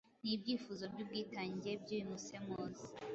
Nibyifuzo byubwitange byuyu musemuzi